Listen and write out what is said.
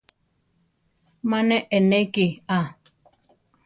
Ma ne eʼnéki a.